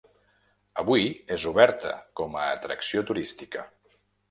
Avui és oberta com a atracció turística.